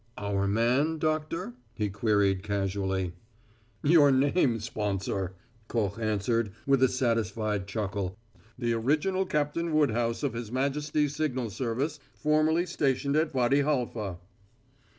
"Our man, Doctor?" he queried casually. "Your name sponsor," Koch answered, with a satisfied chuckle; "the original Captain Woodhouse of his majesty's signal service, formerly stationed at Wady Halfa."